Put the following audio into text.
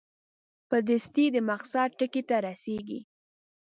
په دستي د مقصد ټکي ته رسېږي.